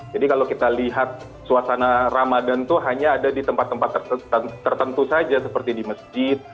jadi kalau kita lihat suasana ramadhan itu hanya ada di tempat tempat tertentu saja seperti di masjid